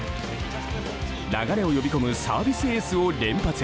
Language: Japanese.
流れを呼び込むサービスエースを連発。